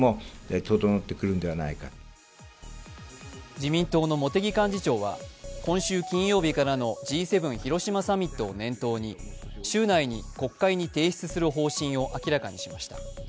自民党の茂木幹事長は今週金曜日からのＧ７広島サミットを念頭に週内に国会に提出する方針を明らかにしました。